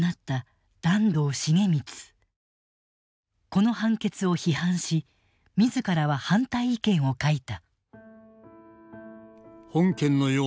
この判決を批判し自らは反対意見を書いた。